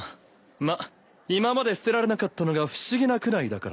まっ今まで捨てられなかったのが不思議なくらいだからな。